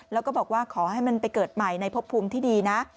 แล้วก็บอกว่าขอให้มันไปเกิดใหม่ในพบภูมิที่ดีนะ